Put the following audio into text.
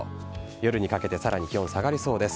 夜にかけてさらに気温が下がりそうです。